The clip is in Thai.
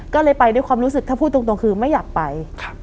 ก็เลยไปด้วยความรู้สึกถ้าพูดตรงคือไม่อยากไป